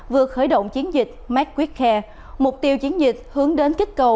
vừa khởi động chiến dịch make quick care mục tiêu chiến dịch hướng đến kích cầu